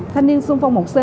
thanh niên sung phong một c